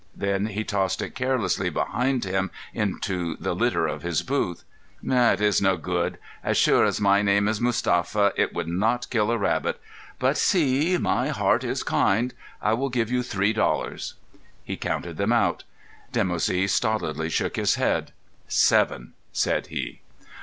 Then he tossed it carelessly behind him into the litter of his booth. "It is no good. As sure as my name is Mustapha, it would not kill a rabbit. But see! My heart is kind. I will give you three dollars." He counted them out. Dimoussi stolidly shook his head. "Seven," said he.